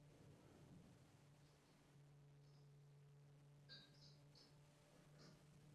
El periodo del "Babelsberg" en la segunda división fue corto.